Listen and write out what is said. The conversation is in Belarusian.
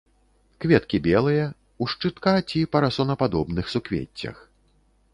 Кветкі белыя, у шчытка- ці парасонападобных суквеццях.